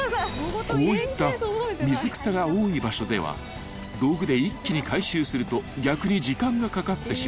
［こういった水草が多い場所では道具で一気に回収すると逆に時間がかかってしまう］